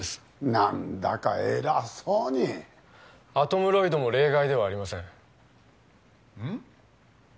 何だか偉そうにアトムロイドも例外ではありませんうん？